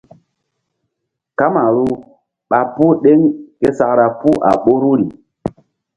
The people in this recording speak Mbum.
Kamaru ɓa puh ɗeŋ ke sakra puh a ɓoruri.